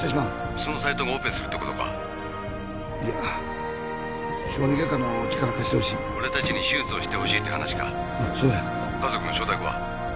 ☎その斉藤がオペするってことかいや小児外科の力を貸してほしい☎俺たちに手術をしてほしいって話かそうや☎家族の承諾は？